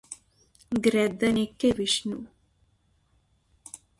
గ్రద్దనెక్కె Vishnu